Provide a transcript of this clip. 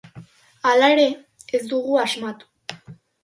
Hala ere, ez dugu asmatu.